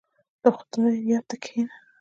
• د خدای یاد ته کښېنه.